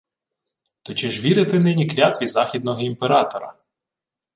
— То чи ж вірити нині клятві західнього імператора?